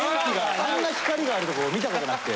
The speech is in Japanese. あんな光がある所見たことなくて。